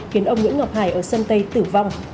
khiến ông nguyễn ngọc hải ở sơn tây tử vong